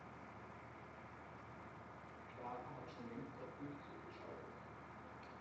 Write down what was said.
Clara hat schon längst auf Durchzug geschaltet.